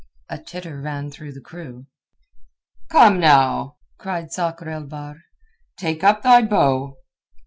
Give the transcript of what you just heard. A titter ran through the crew. "Come now," cried Sakr el Bahr. "Take up thy bow!"